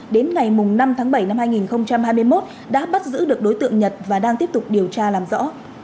đến ngày năm tháng bảy năm hai nghìn hai mươi một đã bắt giữ được đối tượng nhật và đang tiếp tục điều tra làm rõ